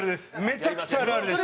めちゃくちゃあるあるです。